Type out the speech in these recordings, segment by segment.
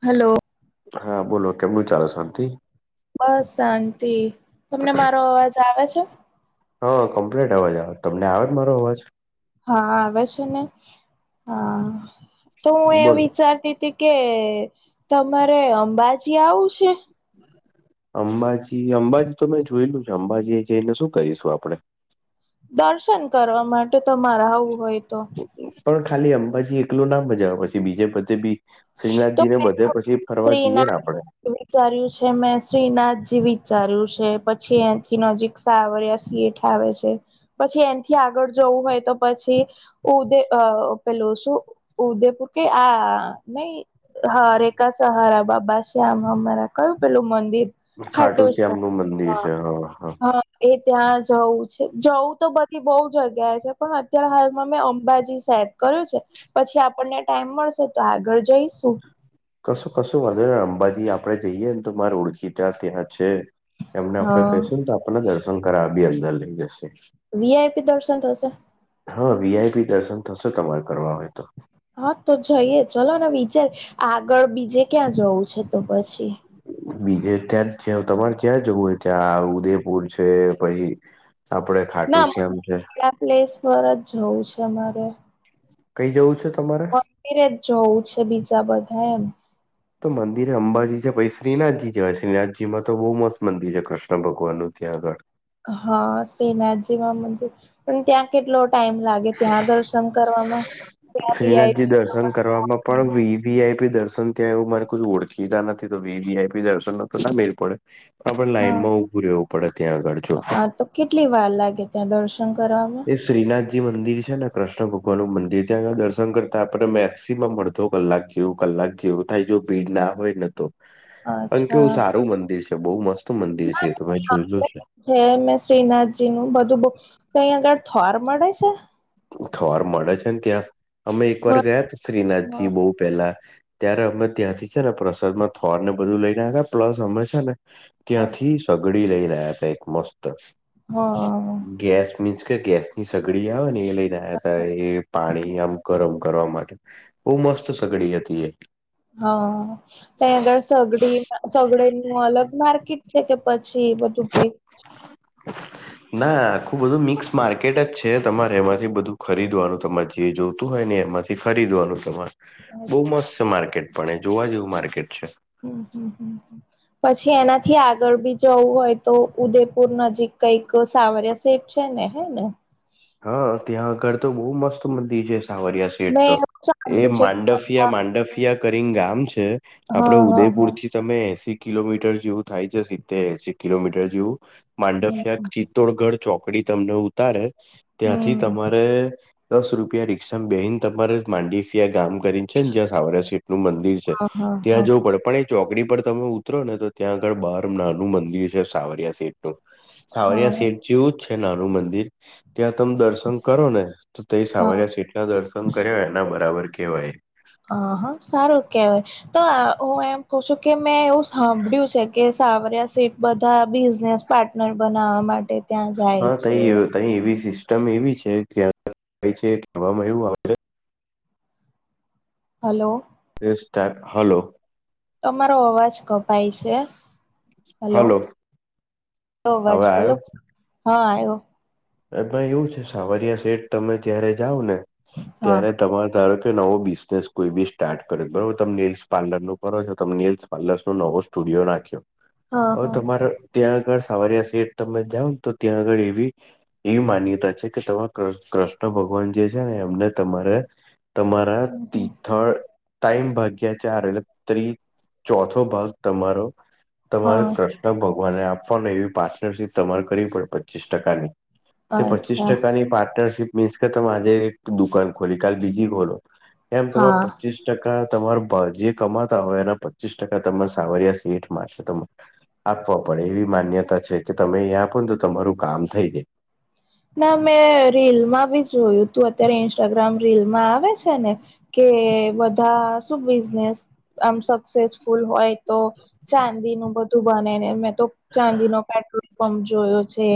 હાલો. હા બોલો, કેમનું ચાલે, શાંતિ? બસ શાંતિ. તમને મારો અવાજ આવે છે? હા કમ્પ્લીટ અવાજ આવે, તમને આવે મારો અવાજ? હા આવે છે ને હા તો હું એ બોલો વિચારતી તી તી કે તમારે અંબાજી આવું છે? અંબાજી, અંબાજી તો મેં જોયેલું છે. અંબાજી જઈને શું કરીશું આપડે? દર્શન કરવા માટે તમારે આવું હોય તો. પણ ખાલી અંબાજી એકલુ ના મજા આવે પછી બીજે બધે બી તો શ્રીનાથજી ને બધે પછી ફરવા સ્ત્રી જઈએ ના ને આપડે? વિચાર્યું છે મેં શ્રીનાથજી વિચાર્યું છે, પછી એનથી નજીક સાવર્યા શેઠ આવે છે, પછી એનથી આગળ જવું હોય તો પછી ઉદે અ પેલો શું ઉદયપુર કે આ નઈ હા રેખા સહારા બાબા શ્યામ અમારા કયું પેલું મંદિર. ખાટુ ખાટું શ્યામ નું મંદિર હા છે હ હા. એ ત્યાં જવું છે જવું તો બધી બહુ જગ્યાએ છે પણ અત્યારે હાલમાં મેં અંબાજી સાહેબ કર્યું છે, પછી આપણને ટાઈમ મળશે તો આગળ જઈશું. કશું કશું વાંધો ને અંબાજી આપડે જઈએ ને તો મારે ઓળખીતા ત્યાં છે. એમને હ આપડે કહીશું ને તો આપણને દર્શન કરાવા બી અંદર લઈ જશે. વી આઈ પી દર્શન થશે? હા વી આઈ પી દર્શન થશે તમારે કરવા હોય તો. હા તો જઈએ ચલો ને વિચાર આગળ બીજે ક્યાં જવું છે તો પછી? બીજે ત્યાં તમારે ત્યાં જવું હોય ત્યાં આ ઉદેપુર છે પહિ આપડે ના પ્લેસ પર જ જવું છે અમારે. કઈ જવું છે તમારે મંદિરે જ જવું છે બીજા બધા એમ તો મંદિર અંબાજી છે પછી શ્રીનાથજી જવાય શ્રીનાથજીમાં તો બહુ મસ્ત મંદિર છે કૃષ્ણ ભગવાનનું ત્યાં આગળ હા શ્રીનાથજીવા મંદિર પણ ત્યાં કેટલો ટાઈમ લાગે ત્યાં દર્શન કરવામાં ત્યાં શ્રીનાથજી વીઆઈપી દર્શન કરવામાં પણ વી આઈપી દર્શન ત્યાં એવું મારે ઓળખીતા નથી તો વીઆઈપી દર્શન ના તો ના મેર પડે. હા પણ લાઈનમાં ઊભું રહેવું પડે ત્યાં આગળ જો હા તો કેટલી વાર લાગે ત્યાં દર્શન કરવામાં એ શ્રીના થજી મંદિર છે ને કૃષ્ણ ભગવાનનું મંદિર ત્યાં આગળ દર્શન કરતા આપણે મેક્સિમમ અડધો કલાક એવું કલાક જેવું થાય જો ભીડ ના હોય ને તો પણ અચ્છા કેવું સારું મંદિર છે બહુ મસ્ત મંદિર છે એતો મેં જોયલુ છે. જે મેં શ્રીનાથજી નું બધું તો [unintelligible] તય આગળ થોર મળે છે થોર મળે છે ને ત્યાં અમે હ એકવાર ગયાતા શ્રીનાથજી બહું પેલા ત્યારે અમે ત્યાંથી છે ને પ્રસાદમાં થોર ને બધું લઈને આયા પ્લસ અમે છે ને હા ત્યાંથી સગડી લઈ રહ્યા હતા એક મસ્ત હા ગેસ મીન્સ કે ગેસ ની સગડી આવે ને એ લઈને આયા હતા એ પાણી આમ ગરમ કરવા માટે બહું મસ્ત સગડી હતી એ હા તઈ આગળ સગડી સગડીનું અલગ માર્કેટ છે કે પછી બધું ભે [inaudible] ના આખું બધું મિક્સ માર્કેટ જ છે તમારે એમાંથી બધું ખરીદવાનું તમારે જે જોતું હોય ને એમાંથી ખરીદવાનું તમારે બહુ મસ્ત છે માર્કેટ પણ એ જોવા જેવું માર્કેટ છે. હમ્મ હમ્મ હમ્મ પછી એનાથી આગળ બી જવું હોય તો ઉદેપુર નજીક કઈક સાવરિયા શેઠ છે ને હે ને હા ત્યાં આગળ તો બહુ મસ્ત મંદી છે સાવરિયા સેટ મેં તો એવું એ સાંભળ્યું છે માંડ ફિયા માંડફિયા કરીંન ગામ છે હા આપડે હા હા ઉદયપુરથી તમે એસી કિલોમીટર જેવું થાય છે સિત્તેર એસી કિલોમીટર જેવું માંડફિયા ચિત્તોડગઢ ચોકડી તમને ઉતારે ત્યાંથી હમ તમારે દસ રૂપિયા રિક્ષામાં બેહી ન તમારે માંડીફિયા ગામ કરી છે ને જ્યાં સાવરિયા શેઠનું મંદિર છે હા હા હા ત્યાં જવું પડે પણ એક ચોકડી પર તમે ઉતરો ને તો ત્યાં આગળ બહાર નાનું મંદિર છે સાવરિયા સેઠ હા સાવરિયા શેઠ જેવું જ છે નાનું મંદિર ત્યાં તમેં દર્શન કરો ને તો એ હા સાવરિયા શેઠના દર્શન કર્યા હોય એના બરાબર કેવાય હ હા સારું કેહેવાય તો હું એમ કવ છું કે મેં એવું સાંભળ્યું છે કે સાવરિયા શેઠ બધા બિઝનેસ પાર્ટનર બનાવવા માટે ત્યાં જાય હા છે તઇ તઇ એવી સિસ્ટમ એવી છે [unintelligible] કહેવામાં એવું આવે હલો [unintelligible] હલો તમારો અવાજ કપાય છે. હલો [unintelligible] બોલો આવ્યો હા આયો તો એવું છે સાવરિયા સેઠ તમે જયારે જાવ ને હા ત્યારે તમારે ધારો કે નવો બિઝનેસ કોઈ બી સ્ટાર્ટ કરે બરોબર તમે નેલ્સ પ્લર નો કરો છો તમે નેલ્સ પલેસ નું નવો સ્ટુડિયો નાખ્યો હા હવે હા તમારે ત્યાં આગળ સાવારિયા સઠ તમે જાાવ ને તો ત્યાં આગળ એવી એવી માન્યતા છે કે ત કૃષ્ણ ભગવાન જે છે ને એમને તમારે તમારા, હમ હમ તિથળ તાઈમ ભાગ્યા ચાર એટલે ત્રી ચોથો ભાગ તમારો તમારો હા ત ભગવાને આપવાનું એવી પાર્ટનરશીપ તમારે કરવી પડે પચીસ ટકાની તે પચીસ અચ્છા ટકાની પાર્ટનરશીપ મીન્સ કે તમે આજે એક દુકાન ખોલી કાલ બીજી ખોલો એમ તમા હા પચીસ ટકા તમાર જે કમાતા હોય એના પચીસ ટકા તમારા સાવરિયા સેઠમાં છે. ત આપવા પડે એવી માન્યતા છે કે તમે અહીયા આપો ને તો તમારું કામ થઈ જાય ના મેં રીલ માં બી જોયું તું અત્યારે ઇન્સ્ટાગ્રામ િલમાં આવે છે ને કે બધા બિઝનેસ આમ સક્સેસફુલ હોય તો ચાંદી નું બધું બને. તો ચાંદીનોો પેટ્રોલ પંપ જોયો છે.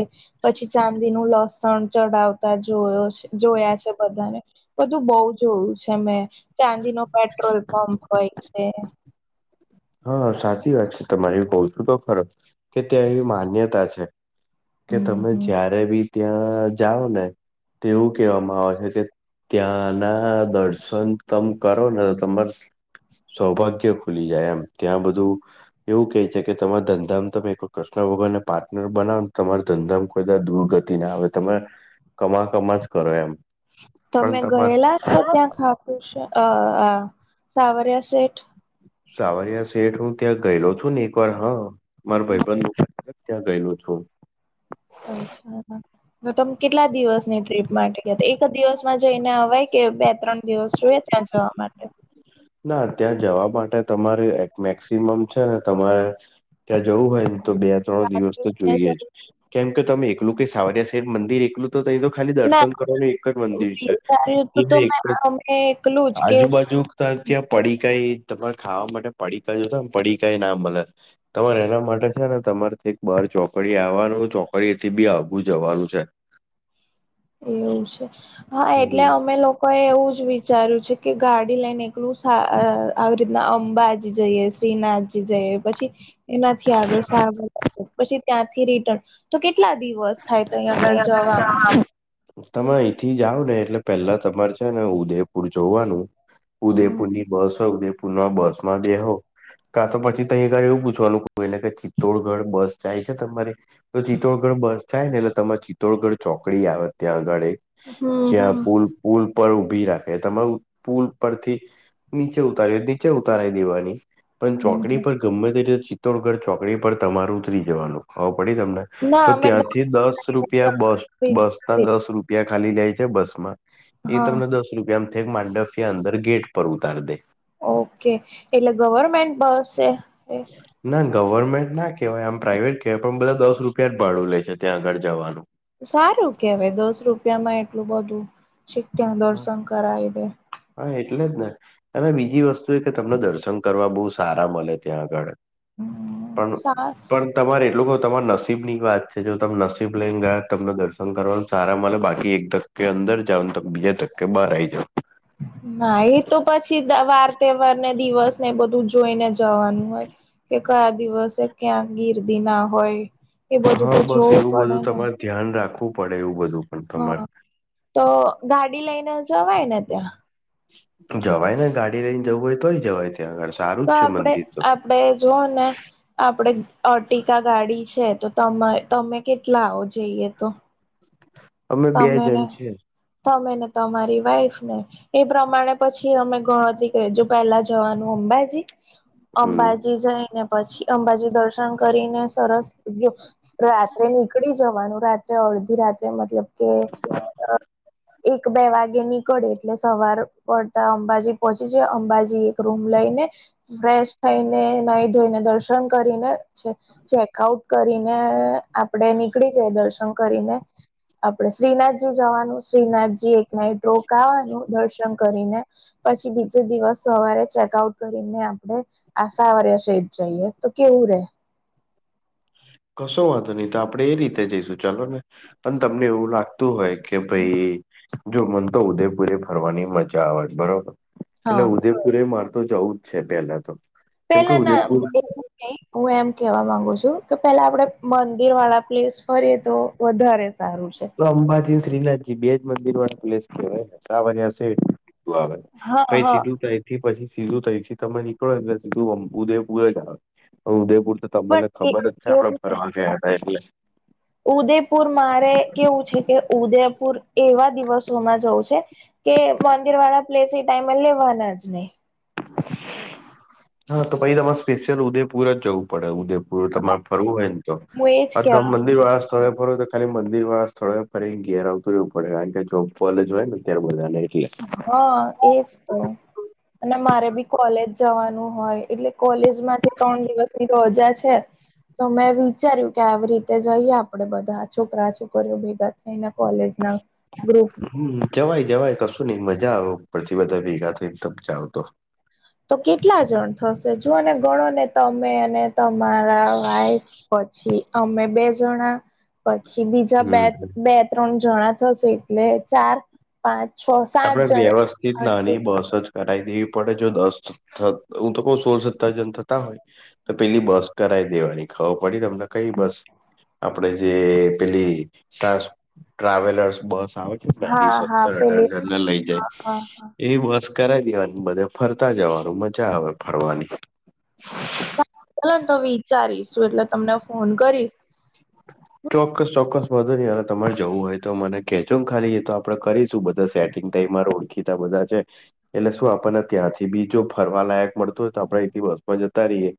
પછી ચાંદી નું લોસ સણ ચડાવતા જોયો જોયા છે. બધાને બધું બહ જોયું છે મેં. ચાંદી નો પેટ્રોલ પંપ હોય છે. હા સાચી વાત છે તમારે કહ છું, તો ખરો કે ત્યાં એવી માન્યતા છે. કે હમ તમે હમ જ્યારે બી ત્યાં જાઓ ને તોવું કહેવામાં આવે છે. કે ત્યાંના દર્શન તમ કરોને તો તમાર સૌભાગ્ય ખુલી જાય એમ ત્યાં બધું. એવું કહે છે. કે તમા ધંધામાં તમે કૃષ્ણ ભગવાનને પાર્ટનર બનાવોને તમારા ધંધા. બધા દુર્ગતિ ના આવે તમે કમા કમા જ કરો એમ પણ તમે તમાર ગયેલા તો ત્યાં ખાું છે અ સાવરિયા સેઠ સાવરિયા સેઠ હું ત્યાં ગયેલો છું ને એક વાર હ માર ભાઈબંધ. ત્યાં ગયેલું છું. અચ્છા તો તમે કેટલા દિવસની ટ્રીપ માટે ગયા તો એક દિવસમાં જઈને હવાય કે બે ત્રણ દિવસ જોઈએ ત્યાં જવા માટે ના ત્યાં જવા માટે તમારી એક મેક્સિમમ છે, ને તમારે ત્યાં જવું હોય ને તો બે ત્રણ દિવસ તો જોઈએ કેમ કે તમે એકલું કે સાવરિયા શહેર મંદિર એકલું જ તો ત તો ખાલી ના દર્શન કરવાનું એક જ મંદિર છે. વિચાર્યું હતું તો ત્યા એક મેં જ અમે એકલું જ કે આજુબાજુ ત્યાં પડીકાઈ તમારે ખાવા માટે પડીકાઈ જોતા ને પડીકાઈ ના મળે તમારે એના માટે છે ને તમારેથી બાર ચોકડી આવવાનું ચોકડીથી બી આઘું જવાનું છે. એવું છે હા એટલે હમ અમે લોકો કોઈ એવું જ વિચાર્યું છે કે ગાડી લઈને એકલું આવી રીતના અંબાજી જઈએ. શ્રીનાથજી જઈ પછી. એનાથી આગળ સારર પછી ત્યાંથી રિટર્ન તો કેટલા દિવસ થાય તો અહીયા આગળ જવા તમે અહીંથી જાઓ ને એટલે પેલા તમારે છે ને ઉદયપુર જોવાનું. હમ ઉદયપુરની બસ હોય ઉદયપુર ના બસ માં બે હો કા તો પછી તર એવું પૂછવાનું ક એટલે કે ચિત્તોડગઢ બસ જાય છે તમારે તો ચિત્તોડગઢ બસ જાય ને એટલે તરે ચિત્તોડગઢ ચોકડી આવે ત્યાં આગળ જ્યાં હમ પુલ પુલ પર ઊભી રાખે તમારુ પુલ પરથી નીચે ઉતારી દે નીચે ઉતારી દેવાની પણ ચોકડી હમ પર ગમે તતે ચિત્તોડગઢ ચોકડી પર તમાર ઉતરી જવાનું ખબું પડી તમને ના તો અમે ત્યાંથી દસ રૂપિયા બસ ગાડી બસ ના દસ રૂપિયા ખાલી જાય છે બસ માં એ હા તમને દસ રૂપિયામાં થક માંડફિયા અંદર ગેટ પર ઉતારી દે. ઓકે એટલે ગવર્મેન્ટ બસ છે એ. ના ગવર્મેન્ટ ના કહેવાય આમ પ્રાઇવેટ કહેવાય પણ બધા દસ રૂપિયા જ ભાડું લે છે ત્યાં આગળ જવાનું. સારું કેવાય દસ રૂપિયામાં એટલું બધું છે ત્યા હા દર્શન કરાવી દે. હા એટલે જ ને. અને બીજી વસ્તુ એ કે તમને દર્શન કરવા બહુ સારા મળે ત્યાં આગળ પણ સા પણ. તમારે એટલું કહ તમારા નસીબ ની વાત છે જો તમે નસીબ લઈને ગયા તમને દર્શન કરવાનું સારા મળે બાકી એકદમ કે અંદર જાવને તો બીજા ધકકે બહાર આવી જાવે. ના એ તો પછી વાર તહેવાર ને દિવસ ને બધું જોઈને. જવાનું હોય કે કયા દિવસે ક્યાં ગિર્દી ના હોય. એ બધું તો હા બસ જોવું એવું પડે બધું ને. તમારે ધ્યાન રાખવું પડે એવું બધું. પણ હા તમારે તો ગાડી લઈને જવાય ને ત્યાં. જવાય ને ગાડી લઈને જવું હોય તો જવાય ત્યાં આગળ સારું તો જ છે આપણે મંદિર તો આપડે જો ને. આપણે અર્ટિકા ગાડી છે તો ત તમે કેટલા આવો જઈએ તો. અમે બે તમેને જણ છે તમે ને તમારી વાઈફ ને. એ પ્રમાણે પછી અમે ગણતરી કરીએ જો પેલા જવાનું અંબાજી હમ અંબાજી જઈને પછી અંબાજી દર્શન કરીને સરસ ગયો. રાત્રે નીકળી જવાનું રાત્રે અડધી રાત્રે મતલબ કે એક બે વાગે નીકળે એટલે સવાર પડતા અંબાજી પહોંચી જાય અંબાજી એક રૂમ લઈને. ફ્રેશ થઈને નહી ધોઈને દર્શન કરીને છે. ચેકઆઉટ કરીને આપડે નીકળી જાય દર્શન કરીને. આપણે શ્રીનાથજી જવાનું શ્રીનાથજી એક નાઇટ રોકાવાનું દર્શન કરીને. પછી બીજે દિવસ સવારે ચેકઆઉટ કરીને આપણે. આ સાંવરીયા શેઠ જઈએ તો કેવું રે કશો વાંધો નહી તો આપડે એ રીતે જઈશું ચાલો ને અને તમને એવું લાગતું હોય કે ભાઈ. જો મને તો ઉદયપુરે ફરવાની મજા આવે બરોબર એટલે હા ઉદેપુરે મારે તો જવું જ છે પેલા તો કેમ કે પેલા ના ઉદયપુર આમ [unintelligible] હું એમ કેવા માંગુ છું કે પેલા આપડે મંદિર વાળા પ્લેસ ફરીએ તો વધારે સારું છે. તો અંબાજી શ્રીનાથજી બે જ મંદિર વાળ પ્લેસ કેવાય સાવરીયા શેઠ. [inaudible] હા પહી હા સીધુ તઈ થી પછી સીધું થય તમે નીકળોલે સીધું ઉદયપુર જ આવે ઉદયપુર તમને ખબર જ છે પણ આપડે ફરવા ગયા હતા એટલે ઉદયપુર મારે કેવું છે કે ઉદયપુર એવા દિવસોમાં જવું છે. કે મંદિર વાળા પ્લેસ એ ટાઈમ લેવાના જ નહી. હા તો પછ તમારે સ્પેશિયલ ઉદેપુર જ જવું પડે ઉદેપુર બોલો તમાર ફરવું હોયન તો, હું એજ આ તમ કેવા મંદિર માંગુ વાળા સ્થળે છું. ફરો તો ખાલી મંદિર વાળા સ્થળે ફરી ન ઘેર આવતું રેવું પડે કારણ કે, જો કોલેજ હોય ને ત્યારે બધાને એટલે હા એજ તો અને મારે બી કોલેજ જવાનું હોય, એટલે કોલેજ માંથી ત્રણ દિવસની રજા છે. તો મેં વિચાર્યું કે આવી રીતે જઈએ આપણેે બધા, છોકરા છોકરીઓ ભેગા થઈને કોલેજના ગ્રુપ હમ્મ હમ્મ, જવાય જવાય કશું નઈ મજા આવે ઉપરથી બધા ભેગા થઈને તબ જાવ તો તો કેટલા જણ થશે? જોઓને ગણો ને તમે અને તમારા વાઈફ, પછી અમે બે જણા પછી બીજા બે હમ બે ત્રણ જણા થશે એટલે ચાર પાંચ છ સાત જણે આર્ટિગ કરાઈ દેવી પડે, જો દસ થત, હું તો કઉ સોળ સત્તર જન થતા હોય તો પેલી બસ કરાવી દેવાની ખબર પડી તમને કઈ બસ, આપડે જે પેલી ટ્રા ટ્રાવેલર્સ બસ આવે હા હા પેલી કેટલા લઇ જાય હા હા એ બસ કરાઈ દેવાની, બધે ફરતા જવાનું મજા આવે ફરવાની [unintelligible] વિચારીશું એટલે તમને ફોન કરીશ ચોક્કસ ચોક્કસ વાંધો નહીં, અને તમારે જવું હોય તો મને કજો ને ખાલી, એ તો આપડણે કરીશું બધા સેટિંગ તઈ માંરે ઓળખીતા બધા છે એટલે શું આપણને ત્યાંથી બી જો ફરવા લાયક મળતું હોય તો આપણે એથી બસ માં જતા રહીયએ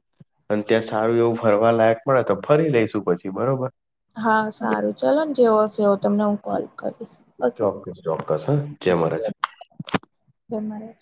અને ત્યાં સારું એવું ફરવા લાયક મડે તો ફરી લઈશુ પછી બરોબર હા સારું ચાલો ને જેવો હશે એવો, તમને હું કોલ કરીશ. ઓકે ચોક્કસ ચોક્કસ હા, જય મહારાજ જય મહારાજ